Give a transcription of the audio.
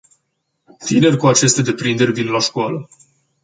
Tinerii cu aceste deprinderi vin la școală.